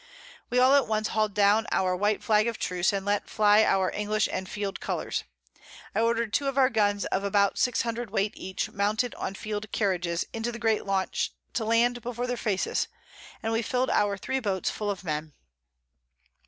We all at once hal'd down our White Flag of Truce, and let fly our English and Field Colours. I order'd 2 of our Guns of about 600 Weight each, mounted on Field Carriages, into the Great Launch to land before their Faces, and we fill'd our 3 Boats full of Men.